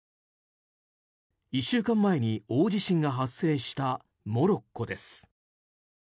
１週間前に大地震が発生したモロッコです。